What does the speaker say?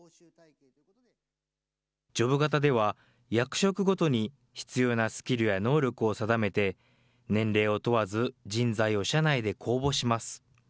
ジョブ型では、役職ごとに必要なスキルや能力を定めて、年齢を問わず、人材を社内で公募します。